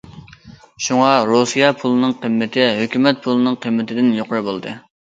شۇڭا رۇسىيە پۇلىنىڭ قىممىتى ھۆكۈمەت پۇلىنىڭ قىممىتىدىن يۇقىرى بولدى.